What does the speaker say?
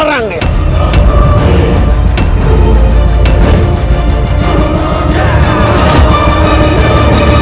yang morocco panjang